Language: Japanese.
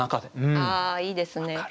ああいいですね。